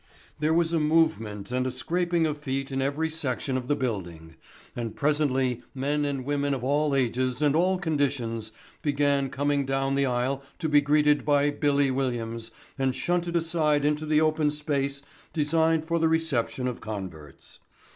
There was a movement and a scraping of feet in every section of the building and presently men and women of all ages and all conditions began coming down the aisle to be greeted by "Billy" Williams and shunted aside into the open space designed for the reception of converts.